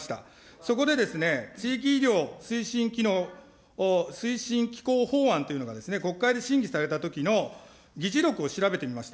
そこでですね、地域医療推進きのう、推進機構法案というのが、国会で審議されたときの議事録を調べてみました。